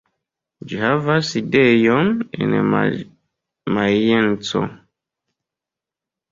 Ĝi havas sidejon en Majenco.